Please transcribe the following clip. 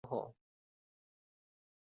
钟复与同乡刘球交好。